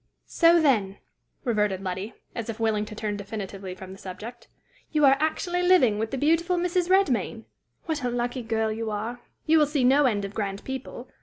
"So, then," reverted Letty, as if willing to turn definitively from the subject, "you are actually living with the beautiful Mrs. Redmain! What a lucky girl you are! You will see no end of grand people!